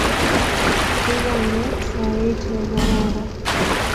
Kiganyi sait negararan